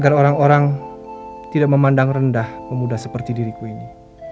agar orang orang tidak memandang rendah pemuda seperti diriku ini